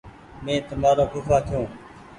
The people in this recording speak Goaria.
مينٚ تمآرو ڦوڦآ ڇوٚنٚ